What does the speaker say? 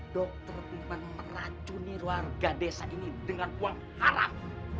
dokter iman meracuni warga desa ini dengan uang haram